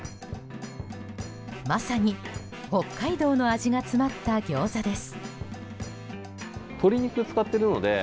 まさに北海道の味が詰まった餃子です。